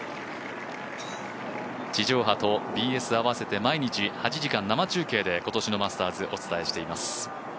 地上波とＢＳ合わせて毎日８時間生中継で今年のマスターズお伝えしています。